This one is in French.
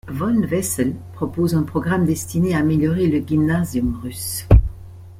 Von Vessel propose un programme destiné à améliorer le gymnasium russe.